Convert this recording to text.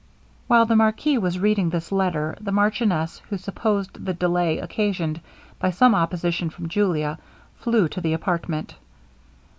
While the marquis was reading this letter, the marchioness, who supposed the delay occasioned by some opposition from Julia, flew to the apartment.